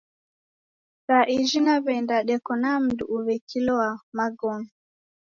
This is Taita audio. Sa ijhi naweenda deko na mndu uwikilo wa magome